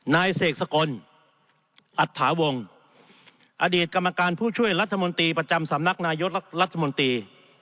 นายเสกสกลอัตถาวงอดีตกรรมการผู้ช่วยรัฐมนตรีประจำสำนักนายกรัฐมนตรี